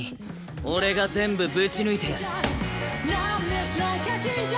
俺が全部ぶち抜いてやる！